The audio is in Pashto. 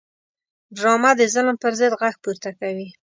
ډرامه د ظلم پر ضد غږ پورته کوي